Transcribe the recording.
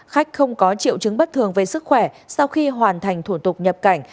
khách không có triệu chứng bất thường về sức khỏe sau khi hoàn thành thủ tục nhập cảnh